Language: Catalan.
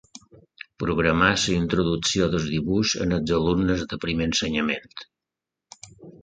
Programà la introducció del dibuix als alumnes de primer ensenyament.